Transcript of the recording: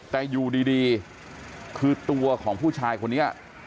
แต่อยู่ดีคือตัวของผู้ชายคนนี้